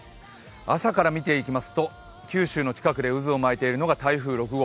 朝から見ていきますと九州の近くで渦を巻いているのが台風６号。